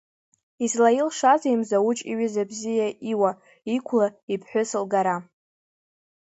Излаилшазеи Мзауҷ иҩыза бзиа, иуа, иқәла иԥҳәыс лгара?